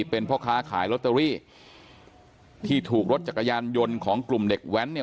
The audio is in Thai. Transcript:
เป็นพ่อค้าขายลอตเตอรี่ที่ถูกรถจักรยานยนต์ของกลุ่มเด็กแว้นเนี่ย